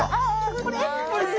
これ？